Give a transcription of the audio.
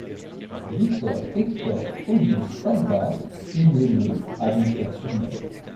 Victor Hector Auguste Talvart est né le à Dompierre-sur-Mer.